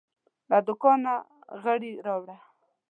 له دوکانه غیړي راوړه